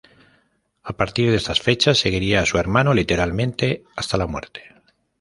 A partir de estas fechas seguiría a su hermano, literalmente, hasta la muerte.